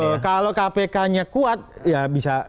betul kalau kpknya kuat ya bisa